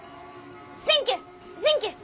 センキューセンキュー。